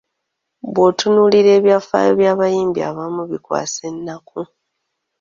Bw’otunuulira ebyafaayo by’abayimbi abamu bikwasa ennaku.